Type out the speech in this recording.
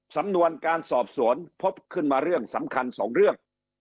สำนวนการสอบสวนพบขึ้นมาเรื่องสำคัญสองเรื่อง